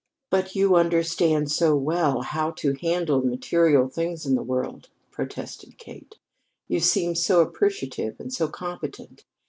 "But you understand so well how to handle the material things in the world," protested Kate. "You seem so appreciative and so competent.